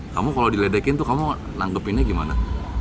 kamu kalau diledekin tuh kamu nangkepinnya gimana